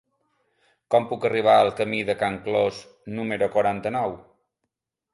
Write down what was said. Com puc arribar al camí de Can Clos número quaranta-nou?